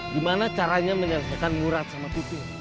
gimana caranya menyesuaikan murad sama pipit